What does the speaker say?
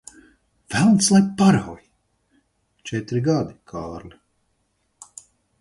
Velns lai parauj! Četri gadi, Kārli.